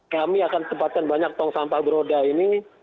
kami akan tempatkan banyak tong sampah beroda ini